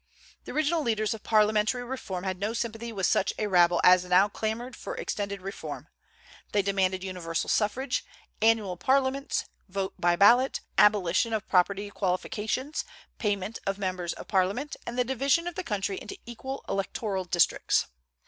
The original leaders of parliamentary reform had no sympathy with such a rabble as now clamored for extended reform. They demanded universal suffrage, annual Parliaments, vote by ballot, abolition of property qualifications, payment of members of Parliament, and the division of the country into equal electoral districts.